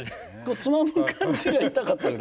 つまむ感じが痛かったぐらい。